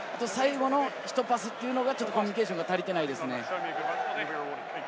最後のひとパスというのがコミュニケーションが足りていないですね。